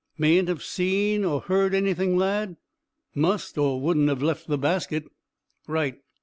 "Mayn't have seen or heard anything, lad." "Must, or wouldn't have left the basket." "Right.